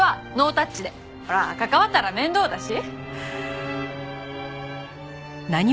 ほら関わったら面倒だし。